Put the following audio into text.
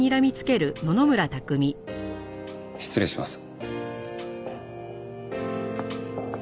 失礼します。